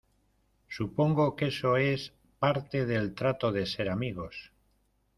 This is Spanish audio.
supongo que eso es parte del trato de ser amigos.